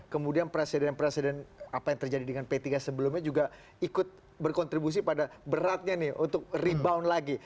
kemudian presiden presiden apa yang terjadi dengan p tiga sebelumnya juga ikut berkontribusi pada beratnya nih untuk rebound lagi